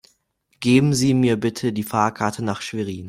Geben Sie mir bitte die Fahrkarte nach Schwerin